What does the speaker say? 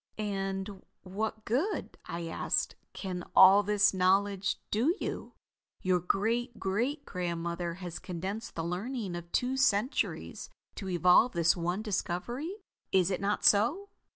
"And what good," I asked, "can all this knowledge do you? Your great great grandmother has condensed the learning of two centuries to evolve this one discovery. Is it not so?"